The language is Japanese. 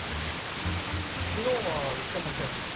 昨日は行ってません。